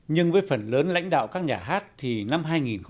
nhưng với phần lớn lãnh đạo các nhà hát thì năm hai nghìn một mươi